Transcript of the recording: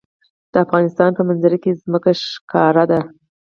د افغانستان په منظره کې ځمکه ښکاره ده.